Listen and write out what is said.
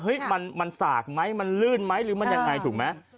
มันสากไหมมันลื่นไหมหรือมันยังไงถูกไหม